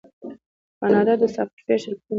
کاناډا د سافټویر شرکتونه لري.